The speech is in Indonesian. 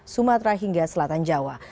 sumatera hingga selatan jawa